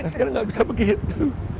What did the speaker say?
sekarang tidak bisa begitu